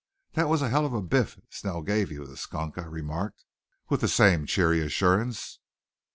"That was a hell of a biff Snell gave you, the skunk," I remarked with the same cheery assurance.